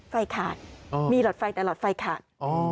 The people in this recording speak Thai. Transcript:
ขาดมีหลอดไฟแต่หลอดไฟขาด